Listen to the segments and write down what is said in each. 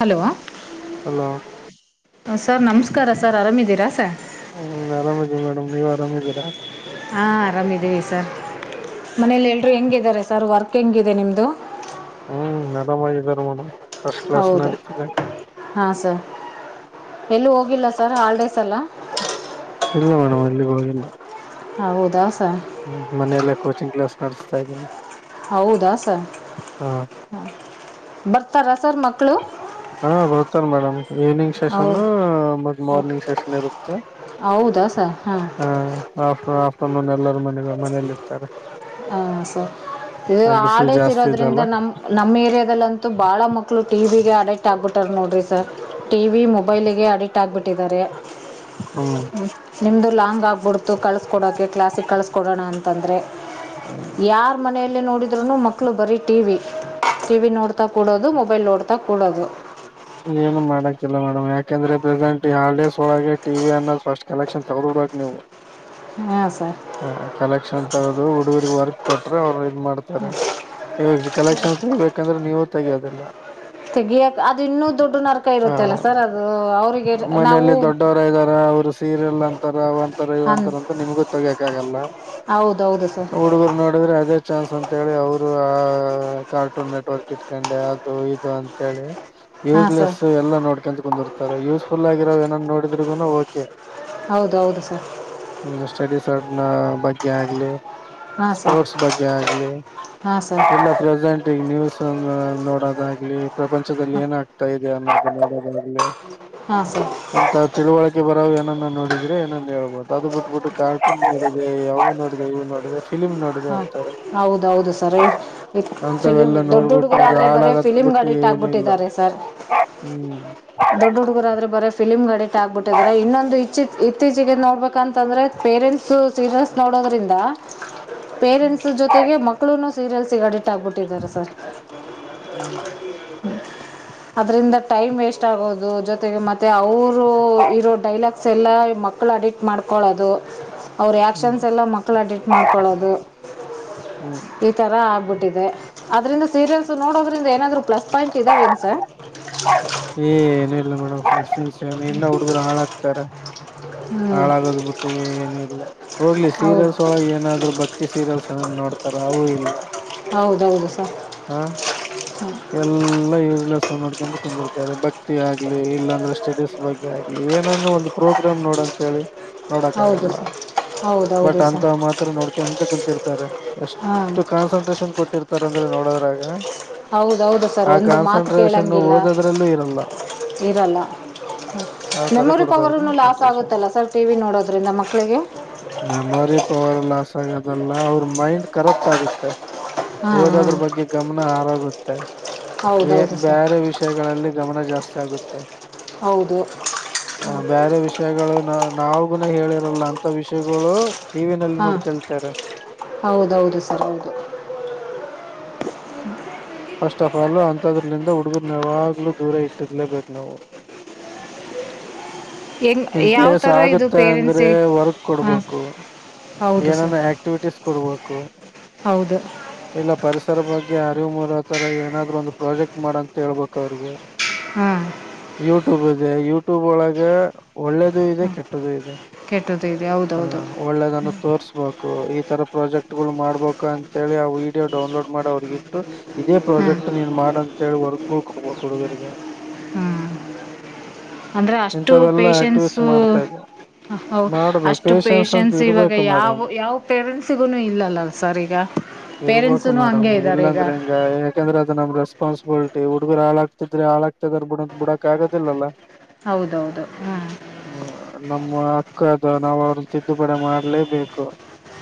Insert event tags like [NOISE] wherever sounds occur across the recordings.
Hello hello sir ನಮಸ್ಕಾರ sir ಆರಾಮಿದ್ದೀರಾ sir ಹ್ಮ ಆರಾಮದೀವಿ ಮೇಡಮ್ ನೀವ್ ಅರಾಮಿದಿರ ಹಾಂ ಆರಾಮಿದ್ದೀವಿ ಸರ್ ಮನೇಲಿ ಎಲ್ರು ಹೆಂಗಿದ್ದಾರೆ ಸರ್ ವರ್ಕ್ ಹೆಂಗಿದೆ ನಿಮ್ಮದು ಹ್ಮ್ ನದ ಮಾಗಿದರೆ ಮೇಡಂ ಹೌದಾ ಹಾ ಸರ್ ಎಲ್ಲೂ ಹೋಗಿಲ್ಲ ಸರ್ ಹಲ್ಡೇಸ್ ಎಲ್ಲ ಇಲ್ಲ ಮೇಡಮ್ ಅಲ್ಲಿಗು ಹೋಗಿಲ್ಲ ಹೌದ್ ಹ್ಮ ಮನೆಲೆ ಕೋಚಿಂಗ್ಲಸ್ಡೆಸ್ತಾ ಇದಿನಿ ಹೌದಾ ಸ ಹ ಬರ್ತರ ಹಾ ಬರ್ತಾರೆ ಮೇಡಮ್ ಈವ್ನಿಂಗ್ ಸೆಷನ್ ಹೌದು ಮತ್ ಮಾರ್ನಿಂಗ್ ಸೆಷನ್ ಇರುತ್ತೆ ತ ಹಾ ಆಫ್ ಅಮೋನ್ ಎಲ್ಲರು ಮನೆಗ್ ಮನೇಲಿ ಇರ್ತಾರೆ ಹ ಸ ಇದು ಬಿಸಿಲು ಆಲ್ಡೇಸ್ ಜಾಸ್ತಿ ಇರೋದ್ರಿಂದ ಇದೆಲ್ಲ ನಮ ನಮ್ಮ್ ಏರಿಯಾದಲ್ಲಂತೂ ಬಾಳ ಮಕ್ಳು ಟಿ ವಿಗೆ ಅಡಿಕ್ಟ್ ಆಗ್ಬಿಟ್ ನೋಡ್ರಿ ಸರ್ ಟಿ ವಿ ಮೊಬೈಲ್ಗೆ ಅಡಿಕ್ಟ್ ಆಗ್ಬಿಟ್ಟಿದ್ದಾರೆ ಹ್ಮ್ ನಿಮ್ದ ಲಾಂಗ್ ಆಗ್ಬಿಡ್ ಕಳ್ಸ್ಕಡೋಕೆ ಕ್ಲಾಸಿಗೆ ಕಸ್ಕೊಡೋಣ ಅಂತ ತಂದರೆ ಯಾರ್ ಮನೆಯಲ್ಲಿ ನೋಡಿದ್ರುನು ಮಕ್ಳು ಬರೀ ಟಿವಿ ಟಿವಿ ನೋಡ್ತಾ ಕೂಡೋದು ಮೊಬೈಲ್ ನೋಡ್ ಏನು ಮಾಡಕೆ ಮೇಡಮ್ ಯಾಕಂದ್ರೆ ಪ್ರೆಸೆಂಟ್ ಈ ಹಾಲಿಡೇಸ್ ಒಳಗೆ ಟಿ ಅನ್ನ ಫಸ್ಟ್ ಕಲೆಕ್ಷನ್ ತಗಿಡ್ಬೇಕ್ ನೀವು ಹ್ಮ ಹ ಕಲೆಕ್ಷನ್ ತಗದು ಹುಡುಗ್ ವರ್ಕ್ ಕೊಟ್ರೆ ಅವ್ರ ಮಾಡ್ತಾರೆ ಕಲೆಕ್ಷನ್ ತಬೇಕಂದ್ರೆ ನೀವು ತೆಗಯೋದಿಲ್ಲ ತೆಗಿಯಾಕ್ ಅದು ಇನ್ನೂ ದೊಡ್ಡು ನರಕ ಆ ಇರುತ್ತೆಲ್ಲ ಸರ್ ಅದು ಅವ್ರಿಗೆ ನಾವು ಮನೆಯಲ್ಲಿ ದೊಡ್ಡವರ ಇದ್ದಾರ ಅವ್ರು ಸೀರಿಯಲ್ ಅಂತಾರ ಒಂ ತ್ರ ಹಾಂ ಅಂತರ ನಿಮ್ಗೂ ಬೇಕಾಗಲ್ಲ ಹೌದು ಹೌದು ಸರ್ ಹುಡುಗರು ನೋಡಿದ್ರೆ ಅದೇ ಚಾನ್ಸ್ ಅಂತ್ ಅಂತೇಳಿ ಅವರು ಆ ಕಾರ್ಟೂನ್ ನೆಟ್ವರ್ಕ್ ಇಟ್ಕೊಂಡೆ ಅದು ಇದು ಅಂತೇಳಿ ಹಾಂ ಸರ್ ಯೂಸ್ಲೆಸ್ ಎಲ್ಲಾ ನೋಡ್ಕ್ಯಂತ ಕುಂದರ ತರ ಯೂಸ್ಫುಲ್ ಆಗಿರೋ ಏನನ್ನೋಡಿದ್ರು ಓಕೆ ಹೌದು ಹೌದು ಸರ್ ಸಣ್ಣ ಬಗ್ಗೆ ಆಗ್ಲಿ ಹಾಂ ಸರ್ ಸ್ಪೋರ್ಟ್ಸ್ ಬಗ್ಗೆ ಆಗ್ಲಿ ಹಾಂ ಸರ್ ಇಲ್ಲ ಪ್ರೆಸೆಂಟ್ ಈಗ ನ್ಯೂಸ್ ನೋಡೋದಾಗ್ಲಿ ಪ್ರಪಂಚದಲ್ಲಿ ಏನಾಗ್ತಾ ಇದೆ ಅನ್ನೋದು ನೋಡೋದಾಗ್ಲಿ ಹಾಂ ಸರ್ ಇಂತ ತಿಳುವಳಿಕೆ ಬರೋವೇನು ನೋಡಿದ್ರೆ ಏನನ್ ಹೇಳ್ಬಹುದು ಅದು ಬಿಟ್ಬಿಟ್ಟು ಕಾಕ ನೋಡಿದೆ ಅವ್ನೋಡಿದೆ ಇವ್ನೋಡಿದೆ ಹಾ ಹೌದೌದು ಸರ್ ಫಿಲಿಂ ಅಂತವೆಲ್ಲ ದೊಡ್ಡ ನೋಡ್ಬಿಟ್ಟು ಹುಡುಗರ ಅವ್ರು ಆದ್ರೆ ಬರ ಹಾಳಾಗದ್ ಬಿಟ್ಟು ಫಿಲಿಮ್ಗಡಿಟ್ ಏನು ಇಲ್ಲ ಆಗ್ಬಿಟ್ಟಿದ್ದಾರೆ ಸರ್ ಹ್ಮ್ ದೊಡ್ಡ ಹುಡುಗರಾದ್ರೆ ಬರೆ ಫಿಲಿಂಗಡಿಟ್ ಆಗ್ಬಿಟ್ಟಿದಿರಾ ಇನ್ನೊಂದು ಇಚ್ಚ ಇತ್ತೀಚೆಗೆ ನೋಡ್ಬೇಕಂತಂದ್ರೆ ಪೇರೆಂಟ್ಸ್ ಸೀರಿಯಲ್ಸ್ ನೋಡೋದ್ರಿಂದ ಪೇರೆಂಟ್ಸ್ ಜೊತೆಗೆ ಮಕ್ಕಳುನು ಸೀರಿಯಲ್ಸಗೆ ಅಡಿಟ್ಟ ಆಗ್ಬಿಟ್ಟಿದ್ದಾರೆ ಸರ್ ಹ್ಮ್ ಅದ್ರಿಂದ ಟೈಮ್ ವೇಸ್ಟ್ ಆಗೋದು ಜೊತೆಗೆ ಮತ್ತೆ ಅವರು ಇರೋ ಡೈಲಾಗ್ಸ್ ಸೆಲ್ಲಾ ಮಕ್ಕಳು ಅಡಿಟ್ ಮಾಡ್ಕೊಳದ್ ದು ಅವ್ರ ಹ್ಮ್ ಆಕ್ಷನ್ಸ್ ಎಲ್ಲ ಮಕ್ಕಳ ಅಡಿಟ್ ಮಾಡ್ ಕೊಳ್ಳೋದು ಹ್ಮ್ ಈತರ ಆಗ್ಬಿಟ್ಟಿದೆ ಆದ್ರೇ ಸೀರಿಯಲ್ಸ್ ನೋಡೋದ್ರಿಂದ ಏನಾದರೂ ಪ್ಲಸ್ ಪಾಯಿಂಟ್ ಇದಾವೇನು ಸರ್ ಏನೂ ಇಲ್ಲ ಮೇಡಮ್ ಇನ್ನ ಹುಡುಗುರು ಹಾಳ ಆಗ್ತಾರೆ ಹ್ಞೂ ಹಾಳಾಗದ್ ಬಿಟ್ಟು ಏನ ಇಲ್ಲ ಹೋಗ್ಲಿ ಹೌದು ಸೀರಿಯಲ್ಸ್ ಒಳಗ್ ಏನಾದ್ರು ಭಕ್ತಿ ಸೀರಿಯಲ್ಸ್ ಏನ ನೋಡ್ ತರವೂ ಇಲ್ಲ ಹೌದೌದು ಹ ಎಲ್ಲಾ ಯೂಸ್ಲೆಸ್ ನೋಡ್ಕಂತ ಕುಂದಿರ್ತಾರೆ ಭಕ್ತಿ ಆಗ್ಲಿ ಇಲ್ಲಾಂದ್ರೆ ಸ್ಟಡೀಸ್ ಬಗ್ಗೆ ಆಗ್ಲಿ ಏನಾನೂ ಒಂದು ಪ್ರೋಗ್ರಾಮ್ ನೋಡ ಅಂತ ಹೇಳಿ ನೋಡಕ ಹೌದು ಆಗಲ್ಲ ಸರ್ ಹೌದೌದು ಬಟ್ ಅಂತ ಸರ್ ಮಾತ್ರ ನೋಡ್ಕಂತ ಕುಂತಿರ್ತಾರೆ ಹಾಂ ಎಷ್ಟು ಕಾನ್ಸಂಟ್ರೇಷನ್ ಕೊಟ್ಟಿರ್ತ್ ತರಂದ್ರೆ ನೋಡೋದ್ರಾಗ ಹೌದೌದು ಸರ್ ಆ ಒಂದು ಮಾತು ಕಾನ್ಸಂಟ್ರೇಷನ್ ಕೇಳಂಗಿಲ್ಲ ಓದೋದ್ರಲ್ಲೂ ಇರಲ್ಲ ಇರಲ್ಲ ಆ ತರ ಮೆಮೊರಿ ಕೊಡ್ತಾರೆ ಪವರ ಲಾಸ್ ಕಾನ್ಸಂಟ್ರೇಷನ್ ಆಗುತ್ತಲ್ಲ ಸರ್ ಟಿ ವಿ ನೋಡೋದ್ರಿಂದ ಮಕ್ಕಳಿಗೆ ಮೆಮೊರಿ ಪವರ್ ಲಾಸ್ ಆಗಿರದಲ್ಲ ಅವ್ರ್ ಮೈಂಡ್ ಕರಪ್ಟ್ ಆಗುತ್ತೆ. ಹಾಂ ಹಾಂ ಓದದ್ರ ಬಗ್ಗೆ ಗಮನ ಆರ್ [UNINTELLIGIBLE] ವಿಯೆ ಹೌದೌದು ಸರ್ ಬ್ಯಾರೆ ವಿಷಯಗಳಲ್ಲಿ ಯಾವಾಗ ಜಾಸ್ತಿ ಆಗುತ್ತೆ? ಹೌದು ಹ ಬ್ಯಾರೆ ವಿಷಯಗಳು ನಾವ್ ನಾವಗುನ ಹೇಳಿರಲ್ಲ ಅಂತ ವಿಷಯಗುಳು ಹಾಂ ಹೌದೌದು ಸರ್ ಹೌದು. ಫಸ್ಟ್ ಆಫ್ ಆಲ್ ಅಂತದ್ರಲಿಂದ ಹುಡುಗುರ್ನ್ ಯಾವಾಗ್ಲೂ ದೂರ ಇಟ್ಟಿರ್ಲೇಬೇಕು ನಾವು. ಹೆಂಗ್ ಇನ್ ಯಾವ ಕೇಸ್ ಥರ ಇದು ಆಗುತ್ತೆ ಅಂದ್ರೆ ಪೇರೆಂಟ್ಸಿಗೆ ವರ್ಕ್ ಹಾಂ ಕೊಡ್ಬೇಕು. ಹೌದು ಸರ್ ಏನನು ಆಕ್ಟಿವಿಟೀಸ್ ಕೊಡ್ಬೇ ಕು. ಹೌದು. ಇದರ ಬಗ್ಗೆ ಅರಿವು ಮೂಡೊ ತರ ಏನಾದ್ರು ಒಂದು ಪ್ರಾಜೆಕ್ಟ್ ಮಾಡಂತ ಹೇಳ್ಬೇಕ್ ಅವ್ರಿಗೆ. ಹ್ಮ್ ಯೂಟ್ಯೂಬ್ ಇದೆ ಯೂಟ್ಯೂಬ್ ಒಳಗೆ ಒಳ್ಳೇದು ಇದೆ ಹಾಂ ಕೆಟ್ಟುದು ಇದೆ. ಕೆಟ್ಟದ್ದು ಇದೆ ಹೌದೌದು ಹ್ಮ್ ಒಳ್ಳೇದನ್ನು ತೋರ್ಸ್ಬೇಕು. ಈ ತರ ಪ್ರಾಜೆಕ್ಟ್ ಗುಳು ಮಾಡ್ಬೇಕಂತ ಹೇಳಿ ಆ ವೀಡಿಯೋ ಡೌನ್ಲೋಡ್ ಮಾಡವರ್ಗ್ ಇಟ್ಟು ಇದೇ ಹಾಂ ಪ್ರಾಜೆಕ್ಟ್ ನೀನ್ ಮಾಡಂತ್ ಹೇಳಿ ವರ್ಕ್ ಗುಳ್ ಕೊಡ್ಬೇಕ್ ಹುಡ್ಗುರ್ಗೆ. ಅಂದ್ರೆ ಅಷ್ಟು ಪೇಶೆನ್ಸು ಇದ ಓ ಔ ಮಾಡ್ಬೇಕು ಅಷ್ಟು ಪೇಶನ್ಸ್ ಅಂತ ಪೇಶೆನ್ಸ್ ಇವಾಗ ಇರ್ಬೇಕು ಮೇಡಮ್ ಯಾವ ಯಾವ ಪೇರೆಂಟ್ಸಿಗು ಇಲ್ಲಲ್ಲಲ್ ಸರ್ ಈಗ ಇರ್ಬೇಕು ಪೇರೆಂಟ್ಸುನು ಮೇಡಮ್ ಹಂಗೆ ಇದ್ದಾರೀಗ. ಪಾಸ್ಬಿಲಿಟಿ ಹುಡುಗರು ಹಾಳಾಗ್ತಿದ್ರೆ ಹಾಳಾಗ್ತಿದ್ದಾರ್ ಬಿಡು ಅಂತ್ ಬಿಡಕ್ ಆಗದಿಲ್ಲಲ್ಲಾ? ಹೌದೌದು ಹ್ಮ್ ಕಾಗ ನಾವ್ ಅವ್ರನ್ ತಿದ್ದುಪಡಿ ಮಾಡ್ಲೇಬೇಕು.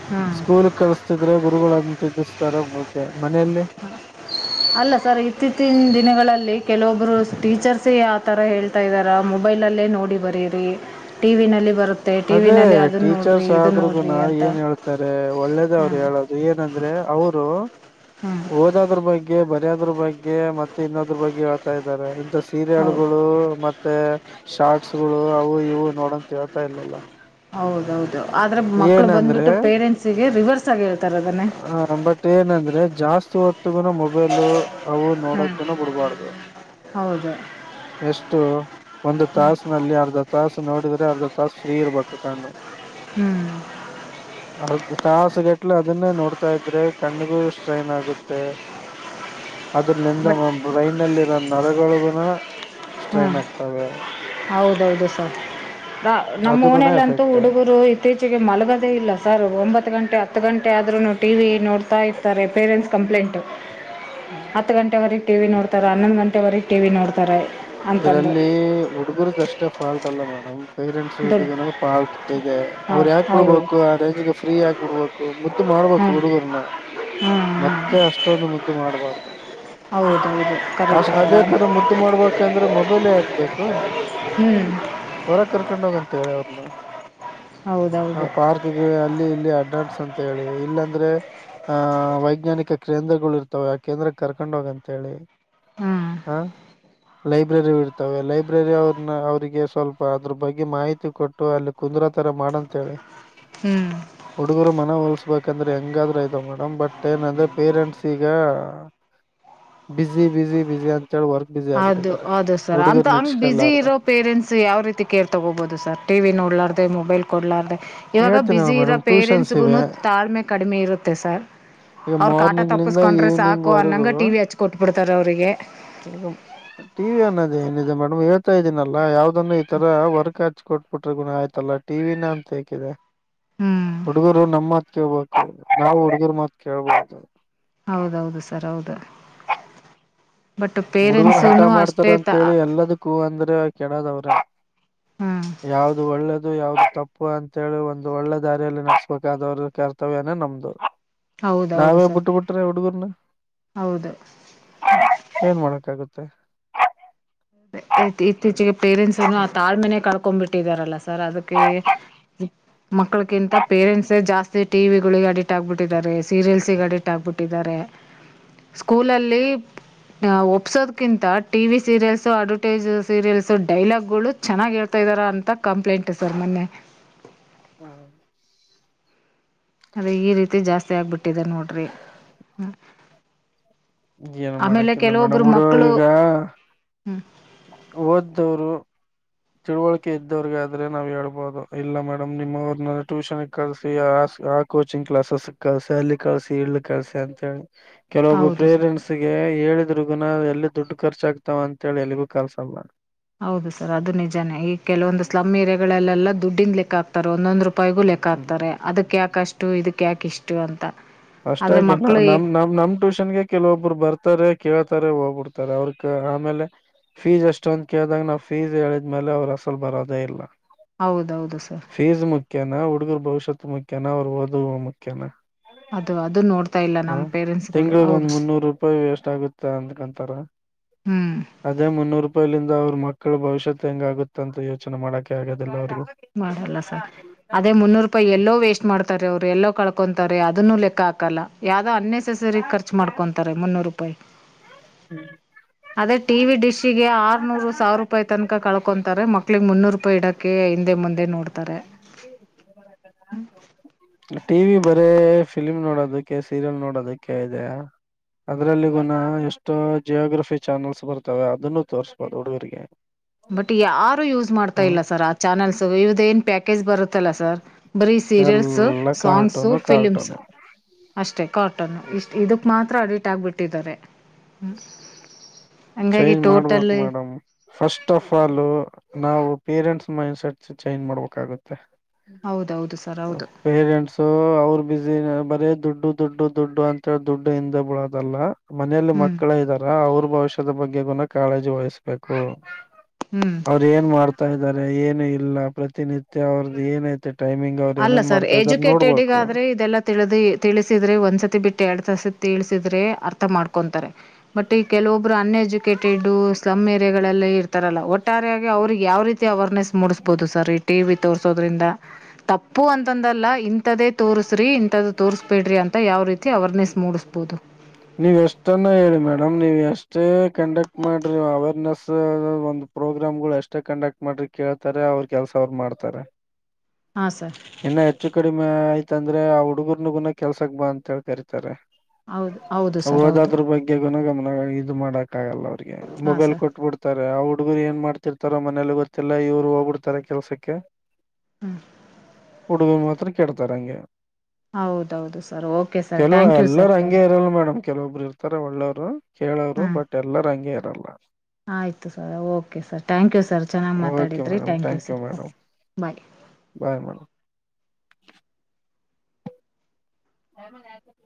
ಹ್ಞೂ ಸ್ಕೂಲುಗ್ ಕಳ್ಸ್ ಸುದ್ರೆ ಗುರುಗಳ [UNINTELLIGIBLE] ಓ ಕೆ ಮನೆಲ್ಲಿ? ಅಲ್ಲ ಸರ್ ಇತ್ತೀಚಿನ ದಿನಗಳಲ್ಲಿ ಕೆಲವೊಬ್ರು ಟೀಚರ್ಸೇ ಆತರ ಹೇಳ್ತಾ ಇದ್ದಾರ ಮೊಬೈಲಲ್ಲೇ ನೋಡಿ ಬರೀರಿ ಟಿವಿನಲ್ಲಿ ಬರು ಅದೇ ಟೀಚರ್ಸ್ ನೋಡಿರಿ ಆದರುಗುನಾ ಅಂತ ಏನ್ ಹೇಳ್ತಾರೆ ಒಳ್ಳೇದೆ ಹ್ಞೂ ಅವ್ರ್ ಹೇಳದು ಏನಂದ್ರೆ ಅವ್ರೂ ಹ್ಞೂ ಓದೋದ್ರು ಬಗ್ಗೆ ಬರ್ ಯೋದ್ರು ಬಗ್ಗೆ ಮತ್ತೆ ಇನ್ನೊದ್ರು ಬಗ್ಗೆ ಹೇಳ್ತಾ ಇದ್ದಾರೆ, ಇಂಡಸ್ ಹೌದು ಸೀರಿಯಲ್ಗುಳು ಮತ್ ತ್ತೆ ಶಾರ್ಟ್ಸ್ ಗುಳು ಅವು ಇವು ನೋಡೋಂತ ಹೇಳ್ತ್ ತಾಯಿಲ್ಲಲ್ಲ. ಹೌದೌದು ಆದರೆ ಮಕ್ಕಳು ಏನಂದ್ರೆ ಬಂದುಬಿಟ್ಟು ಪೇರೆಂಟ್ಸಿಗೆ ರಿವರ್ಸ್ ಆಗಿ ಹೇಳ್ತಾರೆ ಅದನ್ನೇ ಆ ಬಟ್ ಏನಂದ್ರೆ ಜಾಸ್ತಿ ಹೊತ್ಗುನು ಮೊಬೈಲು ಅವು ಹ್ಞೂ ನೋಡಕ್ಕುನು ಬಿಡ್ಬಾರ್ದು, ಹೌದು ಎಷ್ಟು ಒಂದು ತಾಸ ನಲ್ಲಿ ಅರ್ಧ ತಾಸು ನೋಡಿದ್ರೆ ಅರ್ಧ ಫ್ರೀ ಇರ್ಬೇಕು ಕಣ್ಣು. ಹ್ಞೂ ಹೌದು ತಾಸುಗಟ್ಲೆ ಅದುನ್ನೇ ನೋಡ್ ಹತಾ ಇದ್ರೆ ಕಣ್ಣಿಗೂರು ಸ್ಟ್ರೈನ್ ಆಗುತ್ತೆ ಅದ್ರ ನಿಂದ ಬಟ್ ಬ್ರೈನ್ಲ್ಲಿರೋ ನರಗಳನೂ ಹ್ಮ್ ಹೌದೌದು ಸೌ ನಮ್ಮ ಅದಗುನ ಊರನಲ್ಲಂತೂ ಎಫೆಕ್ಟ್ ಹುಡುಗರು ಇತ್ತೀಚೆಗೆ ಮಲಗದೇ ಇಲ್ಲ ಸರ್ ಒಂಬತ್ತು ಗಂಟೆ ಹತ್ತು ಗಂಟೆ ಆದರೂ ಟಿ ವಿ ನೋಡ್ತಾ ಇರ್ತಾರೆ ಪೇರೆಂಟ್ಸ್ ಕಂಪ್ಲೇಂಟು ಹತ್ತು ಗಂಟೆ ವರಿಗೆ ಟಿ ವಿ ನೋಡ್ತಾರೆ ಹನ್ನೊಂದು ಗಂಟೆವರೆಗೆ ಟಿ ವಿ ನೋಡ್ತಾರೆ ಅಂತಂದು ಇದ್ರಲ್ಲಿ ಹುಡುಗರದ ಅಷ್ಟೇ ಫಾಲ್ಟ್ ಇಲ್ಲ ಮೇಡಮ್ ಪೇರೆಂಟ್ಸ್ನಾತ ದುಡ್ಡು ಇದೆ ಹಾಂ ಅವ್ರು ಯಾಕ್ಬ ಹೌದು ಬಿಡ್ಬೇಕು ಆ ರೇಂಜ್ಗೆ ಫ್ರೀ ಆಗ್ಬ ಬಿಡ್ಬೇಕು ಮು ಮುದ್ದು ಮಾಡ್ಬೇಕು ಹ್ಞೂ ಹುಡುಗರನ ಹ್ಞೂ ಮತ್ತೆ ಹ್ಞೂ ಅಷ್ಟೊಂದು ಮುದ್ದು ಮಾಡ್ಬಾರ್ದು ಹಾ ಹೌದೌದು ಕರೆಟ ಸದ ಅ ಮೊಬೈಲ್ ಯಾಕ್ಬೇಕು ಹೊರ ಕರ್ಕೊಂಡೋಗಂತ ಹೇಳಿ ಅವ್ರನ್ನ ಹ ಹೌದೌದು ಪಾರ್ಕ್ ಗೆ ಅಲ್ಲಿ ಇಲ್ಲಿ ಅಡ್ಡಾಡ್ಸ್ ಅಂತ ಹೇಳಿ ಇಲ್ಲಾಂದ್ರೆ ಆಹ ವೈಜ್ಞಾನಿಕ ಕೇಂದ್ರಗಳು ಇರ್ತವೆ ಆ ಕೇಂದ್ರ ಕರ್ಕೊಂಡ್ ಹೋಗ ಅಂತ ಹೇಳಿ ಹ್ಞೂ ಹಾ ಲೈಬ್ರೆರಿ ಇಡ್ತವೆ ಲೈಬ್ರೆರಿ ಅವ್ರನ್ನ ಅವರಿಗೆ ಸ್ವಲ್ಪ ಅದ್ರ ಬಗ್ಗೆ ಮಾಹಿತಿ ಕೊಟ್ಟು ಅಲ್ಲಿ ಕುಂದರ ತರ ಮಾಡಂತ ಹೇಳಿ ಹ್ಞೂ ಹುಡುಗರು ಮನವಲಿಸಬೇಕು ಯಾಕಂದ್ರೆ ಹೆಂಗಾದ್ರೂ ಆಯ್ತ್ ಮೇಡಮ್ ಬಟ್ ಏನಂದ್ರೆ ಪೇರೆಂಟ್ಸ್ ಈಗ ಬಿಸಿ ಬಿಸಿ ಬಿಸಿ ಅ ಚ ವರ್ಕ್ ಬ್ಯುಸಿ ದು ಅದು ಸರ್ ಅಂತ ಹಂಗ ಬಿಜಿ ಇರೋ ಪೇರೆಂಟ್ಸ್ ಯಾವ ರೀತಿ ಕೇರ್ ತಗೋಬಹುದು ಸರ್ ಟಿವಿ ನೋಡ್ಲಾರ್ದು ಮೊಬೈಲ್ ಕೊಡ್ಲಾರ್ದ ಇವಾಗ ಹೇಳ್ತೀನಲ್ಲ ಬಿಸಿ ಇರೋ ಮೇಡಮ್ ಟ್ಯೂಷನ್ಸ್ ಇವೆ ಪೇರೆಂಟ್ಸ್ಗುನು ತಾಳ್ಮೆ ಕಡಿಮೆ ಇರುತ್ತೆ ಸರ್ ಈಗ ಅವ್ರ ಕಾಟ ಮಾರ್ನಿಂಗ್ ಲಿಂದ ತಪ್ಪಸ್ಕೊಂಡ್ರೆ ಈವ್ನಿಂಗ್ ಸಾಕು ಅನ್ನಂಗ ಟಿವಿ ಹಚ್ ಕೊಟ್ಬಿಡ್ತ ತರವರಿಗೆ ಟಿ ವಿ ಅನ್ನೋದು ಏನಿದೆ ಮೇಡಮ್ ಹೇಳ್ತಾ ಇದೀನಲ್ಲ ಯಾವ್ದ ಸುಮ್ಮನೆ ಇ ತರ ವರ್ಕ್ ಹಾಕ್ ಕೊಟ್ಬಿಟ್ರ ಗುನ ಆಯ್ತಲ್ಲ ಟಿವಿನ ಅಂತ ಹೇೇಕಿದೆ ಹ್ಮ್ ಹುಡ್ಗರು ನಮ್ಮ್ ಮಾತ್ ಕೇಳ್ ಬೇಕು ನಾವು ಹುಡ್ಗರ್ ಮಾತ್ ಕೇಳ್ಬೋಬಾರದು ಹೌದೌದು ಸರ್ ಹೌದು ಬಟ್ ಹುಡುಗರು ಹಠ ಪೇರೆಂಟ್ಸೂನು ಅಷ್ಟೇ ಮಾಡ್ತಾರೆ ತ ಅಂತ ಹೇಳಿ ಎಲ್ಲದಕ್ಕೂ ಹೂ ಅಂದ್ರೆ ಕೆಡದ್ವ ಹ ಹ್ಮ್ ಯಾವ್ದ ಒಳ್ಳೇದು ಯಾವ್ದು ತಪ್ಪು ತಪ್ಪು ಅಂತೇಳಿ ಒಂದು ಒಳ್ಳೆ ದಾರಿಯಲ್ಲಿ ನಡೆಸ್ಬೇಕಾದವ್ರ ಕರ್ತವ್ಯನೇ ನಮ್ದು ಹೌದೌದು ನಾವೇ ಸರ್ ಬಿಟ್ಟು ಬಿಟ್ರೆ ಹುಡುಗರ್ನ ಹೌದು ಹ ಗುತ್ತೆ ಇತ್ತೀಚಿಗೆ ಪೇರೆಂಟ್ಸ್ನು ಆ ತಾಳ್ಮನೆ ಕಳ್ಕೊಂಡ್ ಬಿಟ್ಟಿದಾರಲ್ಲ ಸರ್ ಅದಕ್ಕೆ ಮಕ್ಕಳಕ್ಕಿಂತ ಪೇರೆಂಟ್ಸ್ ಜಾಸ್ ಟೀವಿಗುಲಳಿಗ್ ಅಡಿಕ್ಟ್ ಆಗ್ಬಿಟ್ಟಿದ್ದಾರೆ ಸರಿಯಲ್ಸ್ಗ ಅಡಿಕ್ಟ್ ಆಗ್ಬಿಟ್ಟಿದ್ದಾರೆ ಸ್ಕೂಲಲ್ಲಿ ಒಪ್ಸೋದ್ಕಿಂತ TV serials advertise serials dialogue ಗಳು ಚೆನ್ನಾಗಿ ಹೇಳ್ತಾ ಇದಾರ ಅಂತ ಕಂಪ್ಲೇಂಟ್ ಸರ್ ಮೊನ್ನೆ ಹ್ಮ್ ಅದೇ ಈ ರೀತಿ ಜಾಸ್ತಿ ಆಗ್ಬಿಟ್ಟಿದೆ ನೋಡ್ರಿ ಹ್ಮ ಏನು ಮಾಡಕಿಲ್ಲ ಮೇಡಮ್ ಹುಡು ಮಕ್ಕಳು ಈಗ ಹ್ಞೂ ಓದ್ದವರು ತಿಳುವಳಿಕೆ ಇದ್ದವ್ರಗಾದ್ರೆ ನಾವ್ ಹೇಳ್ಬಹುದು ಇಲ್ಲ ಮೇಡಮ್ ನಿಮ್ಮವ್ರನ ಟ್ಯೂಷನ್ ಕಳಸಿ ಆ ಆ ಕೋಚಿಂಗ್ ಕ್ಲಾಸಸ್ ಕಳಸಿ ಅಲ್ಲಿ ಕಳ್ಸಿ ಇಕ್ ಕಳ್ಸಿ ಅಂತ ಹೇಳಿ ಕೆಲವೊಬ್ಬ ಹೌದು ಸರ್ ಪ್ರೇರೆಂಟ್ಸ್ ಗೆ ಹೇಳಿದ್ರು ಗುಣ ಎಲ್ಲಿ ದುಡ್ ಖರ್ಚಾಗಗ್ತಾವ ಅಂತ ಹೇಳಿ ಎಲ್ಲಿಗೂ ಕಲ್ಸ ಅಲ್ಲ ಹೌದು ಸರ್ ಅದು ನಿಜಾನೇ ಈಗ ಕೆಲವೊಂದು ಸ್ಲಮ್ ಏಯಾಾಗಗಳಲ್ಲೆಲ್ಲ ದುಡಿನ್ ಲೆಕ್ಕಕ್ತಾರೆ ಒಂದೊಂದುೂ ಪೈಗು ಲೆಕ್ಕ ಹ್ಮ್ ಆ್ತಾರೆ ಅದಕ ಯಾಕೆ ಆಕಷ್ಟು ಇದಕ್ ಯಾಕ ಇಷ್ಟು ಅಂತ ಆದರೆ ಅಷ್ಟಾಗಿನ ಮಕ್ಕಳು ಏ- ನಮ್ ನಮ್ ನಮ್ ಟ್ಯೂಷನ್ಗೆ ಕೆಲವೊಬ್ಬರು ಬರ್ತಾರೆ ಕೇಳ್ತಾರೆ ಹೋಗ್ಬಿಡ್ತಾರೆ ಅವ್ರಕ ಆಮೇಲೆ ಫೀಸ್ ಅಷ್ಟೊಂದ ಕೇಳ್ದಾಗ ನಾವವು ಫೀಸ್ ಹೇಳಿದ್ಮೇಲೆ ಅವರು ಅಸಲ್ ಬರೋದೇ ಇಲ್ಲ ಹೌದೌದು ಸರ್ ಫೀಸ್ ಮುಖ್ಯನಾ ಹುಡುಗರು ಭವಿಷ್ಯತ್ ಮುಖ್ಯ ಮುಖ್ಯನವ್ರು ಓದುವ ಮುಖ್ಯನ ಅದು ಅದು ನೋಡ್ತಾ ಇಲ್ಲ ಹ ನಮ್ಮ ಪೇರೆಂಟ್ಸ್ಗಳು ತಿಂಗಳಗ ಒಂದ್ ಹೌದು ಮುನ್ನೂರು ರೂಪಾಯಿ ಎಷ್ಟ ಆಗುತ್ತೆ ಅಂದ್ಕಂತಾರ ಹ್ಞೂ ಅದೇ ಮುನ್ನೂರು ರೂಪಾಯಿಲಂದ ಅವ್ರ ಮೊ ಮಕ್ಕಳು ಭವಿಷ್ಯತ್ ಹೆಂಗ ಆಗುತ್ತ ಅಂತ ಯೋಚನೆ ಮಾಡಕೆ ಆಗೋದಿಲ್ಲ ಅವ್ರಿಗೆ ಮಾಡಲ್ಲ ಸರ್ ಅದೇ ಮುನ್ನೂರು ರೂಪಾಯಿ ಎಲ್ಲೋ ವೇಸ್ಟ್ ಮಾಡ್ ಅವ್ರು ಎಲ್ಲೋ ಕಳ್ಕೊಂತತಾರೆ ಅದನ್ನು ಲೆಕ್ಕ ಹಾಕಲ್ಲ ಯಾವ್ದೋ ಅನ್ ಖರ್ಚ ಮಾಡ್ಕೊರೆ ಮುನ್ನೂರು ರೂಪಾಯ ಅದೇ ಟಿ ವಿ ಡಿಶ್ ಈ ಆರ್ ಸಾವಿರ ತನಕ ಕಳ್ಕೊಂತತಾರೆ ಮಕ್ಕಳಿಗೆ ಮುನ್ನೂರು ಇ ಇಡಕ್ಕೆ ಆಯ ಮುಂದೆ ಮುಂದೆ ನೋಡ್ತಾರೆಮ ಟಿವ ವಿ ಬರೇ ಫಿಲ್ಮ್ ನೋಡೋದಕ್ಕೆ ಸೀರಿಯಲ್ ನೋಡೋದಕ್ಕೆ ಇದೆ ಅದ್ರಲ್ಲಿಗುನ ಎಷ್ಟೋ ಜಿಯೋಗ್ರಫಿ ಚಾನಲ್ಸ್ ಬರ್ತಾವ ಅದನ್ನು ತೋರ್ಸ್ಬೋದು ಹುಡುಗರಿಗೆ ಬಟ್ ಯಾರು ಯೂಸ್ ಮಾಡ್ತಾ ಹ್ಮ್ ಇಲ್ಲ ಸರ್ ಆ ಚಾನೆಲ್ಸ್ ಸೊ ಇ್ದ ಏನ್ ಪ್ಯಾಕೇಜ್ ಬರುತ್ತಲ್ಲ ಸರ್ ಬರೀ ಸೀರಿಯಲ್ಸ್ ಎಲ್ಲ ಸಾಂಗ್ಸು ಕಾರ್ಟೂನು ಫಿಲ್ಮ್ಸ್ ಕಾರ್ಟೂನು ಅಷ್ಟೆ ಕಾಟನ್ನು ಇಷ್ಟು ಇದಕ್ಕೆ ಮಾತ್ರ ಅಡಿಟ್ ಆಗಬಿಟ್ಟಿದ್ದಾರೆ ಹ್ಞ ಚೇಂಜ್ ಮಾಡ್ಬೇಕ್ ಮೇಡಮ್ ಫಸ್ಟ್ ಆಫ್ ಫಾಲ್ ನಾವು ಪೇರೆಂಟ್ಸ್ ಮೈಂಡ್ ಸೆಟ್ ಚೈಂಜ್ ಮಾಡ್ಬೇಕಾಗುತ್ತೆ ಹೌದೌದು ಸರ್ ಹೌದು ಪೇರೆಂಟ್ಸ ಅವರು ಬಿಜಿ ಬರೀ ದುಡ್ಡು ದುಡ್ಡು ದುಡ್ಡು ಅಂತ ದುಡ್ಡೆ ಇಂದ ಬಿಳೋದಲ್ಲ ಮನೇಲಿ ಹ್ಮ್ ಮಕ್ಕಳ ಇದ್ದಾರ ಅವ್ರು ಬಹಶ ಬಗ್ಗೆ ಕಾಳಜಿ ವಹಿಸ್ಬೇಕು ಹ್ಮ್ ಅವ್ರ ಏನ್ ಮಾಡ್ತಾ ಇದಾರೆ ಏನು ಇಲ್ಲ ಪ್ರತಿನಿತ್ಯ ಅವ್ರದ್ದ ಏನೈತೆ ಟೈಮಿಂಗ್ ಅವ್ರು ಅಲ್ಲ ಏನೇನ್ ಸರ್ ಮಾಡ್ತಾ ಇದಾರೆ ಎಜುಕೇಟೆಡ್ಗ ನೋಡ್ಬೇಕು ಆದ್ರೆ ಇದೆಲ್ಲಾ ತಿಳಿದಿ ತಿಳಿಸಿದ್ರೆ ಒಂದ್ಸತಿ ಬಿಟ್ಟ ಎಡಸತಿ ತಿಳಿಸಿದ್ರೆ ಅರ್ಥ ಮಾಡ್ ಬಟ್ ಈ ಕೆಲವೊಬ್ರು ಅನ್ ಎಜುಕೇಟೆಡ್ ಸ್ಲಮ್ ಏರಿಯಾಗಳಲ್ಲೇ ಇರ್ತಾರಲ್ಲ ಒಟ್ಟಾರೆಯಾಗಿ ಅವ್ರಿ ಯಾವ ರೀತಿ ಅವೇರ್ನೆಸ್ ಮೂಡಿಸ್ಬಹುದು ಸರ್ ಈ ಟಿ ವಿ ತೋರ್ಸೋದರಿಂದ ತಪ್ಪು ಅಂತಂದಲ್ಲ ಇಂಥದ್ದೇ ತೋರಿಸ್ರಿ ಇಂಥದ್ದು ತೋರಿಸಬೇಡ್ರಿ ಅಂತ ಯಾವ ರೀತಿ ಅವೇರ್ನೆಸ್ ಮೂಡಸ್ಬವುದು ನೀವ್ ಎಷ್ಟನ್ನ ಹೇಳಿ ಮೇಡಮ್ ನೀವ್ ಎಷ್ಟೇ ಕಂಡಕ್ಟ್ ಮಾಡ್ರಿ ಅವೇರ್ನೆಸ್ ಒಂದ್ ಪ್ರೋಗ್ರಾಮ್ಗಳ್ ಎಷ್ಟೇ ಕಂಡಕ್ಟ್ ಮಾಡ್ರಿ ಕೇಳ್ತಾರೆ ಅವ್ರ ಕೆಲ್ಸ ಅವರು ಮಾಡ್ತಾರೆ ಹಾಂ ಸರ್ ಇನ್ನು ಹೆಚ್ಚು ಕಡಿಮೆ ಆಯ್ ಇತ್ತಂದ್ರೆ ಆ ಹುಡುಗರ್ನಗುನ ಕೆಲ್ಸಕ್ ಬಾ ಅಂತ ಹೇಳಿ ಕರೀತಾರೆ ಹೌದು ಹೌದು ಸರ್ ಹೌದು ಹೋದದ್ರ ಬಗ್ಗೆ ಗುನಗಮನ ಇದು ಮಾಡಕ್ ಗಲ್ಲ ಅವ್ರಿಗೆ ಹಾಂ ಮೊಬೈಲ್ ಸರ್ ಕೊಟ್ಬ ಬಿಡ್ತಾರೆ ಅವ್ ಹುಡುಗರು ಏನ್ ಮಾಡ್ತಿರ್ತಾ ಇತಾರ ಮನೇಲಿ ಗೊತ್ತಿಲ್ಲ ಇವ್ರು ಹೋಗ್ಬಿಡ್ತಾರೆ ಕೆಲ್ಸಕ್ಕೆ ಹ್ಮ್ ಹುಡುಗ್ರು ಮಾತ್ರ ಕೆಡ್ತಾರೆ ಹಂಗೆ ಹೌದೌದು sir okay sir thank you sir ತಾನ್ಕ ಇರ್ತಾರ ಒಳ್ಳವ್ರು ಹ್ಮ್ಆಯಿತು sir okay sir thank you sir ಚೆನ್ನಾಗಿ ಓಕೆ ಮಾತಾಡಿದ್ರಿ madam thank you sir madam okay bye bye madam [UNINTELLIGIBLE]